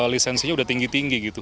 lisensinya sudah tinggi tinggi gitu